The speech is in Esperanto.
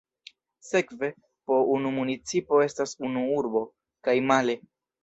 Sekve, po unu municipo estas unu urbo, kaj male.